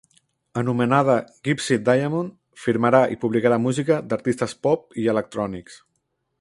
Anomenada Gypsey Diamond, firmarà i publicarà música d'artistes pop i electrònics.